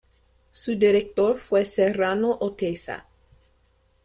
Su director fue Serrano Oteiza.